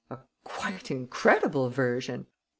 "A quite incredible version!"